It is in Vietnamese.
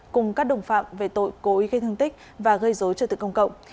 cùng các đồng phạm về tội cố ý gây thương tích và gây dối trật tự công cộng